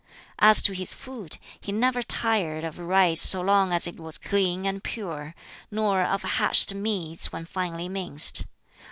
As to his food, he never tired of rice so long as it was clean and pure, nor of hashed meats when finely minced.